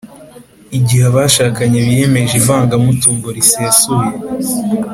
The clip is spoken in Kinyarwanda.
igihe abashakanye biyemeje ivangamutungo risesuye